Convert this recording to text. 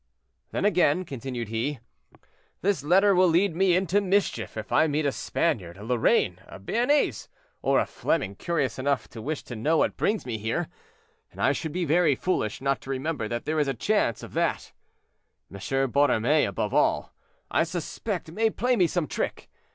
"Then, again," continued he, "this letter will lead me into mischief if I meet a Spaniard, a Lorraine, a Béarnais, or a Fleming curious enough to wish to know what brings me here, and I should be very foolish not to remember that there is a chance of that. M. Borromée, above all, I suspect may play me some trick.